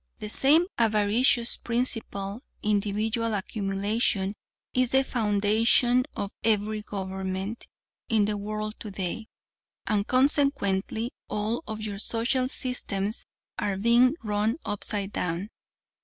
"The same avaricious principal individual accumulation is the foundation of every government in the world today, and consequently all of your social systems are being run upside down.